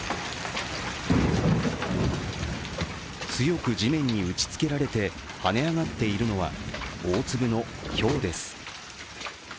強く地面に打ち付けられて跳ね上がっているのは大粒のひょうです。